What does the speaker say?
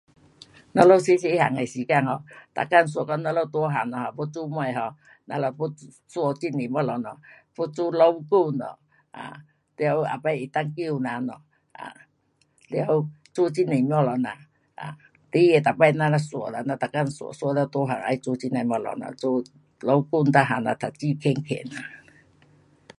我们小小个的时间 um 每天想到我们大个咯要做什么 um 我们要做很多东西咯，要做医生咯，um 了以后能够救人咯，um 了做很多东西啦，um 所以咱就想了，想大了要做这那东西咯，做医生每样咯，读书棒棒咯。